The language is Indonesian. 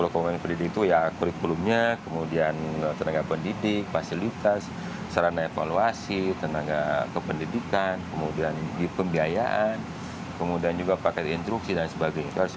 komponen pendidik itu ya kurikulumnya kemudian tenaga pendidik fasilitas sarana evaluasi tenaga kependidikan kemudian di pembiayaan kemudian juga paket instruksi dan sebagainya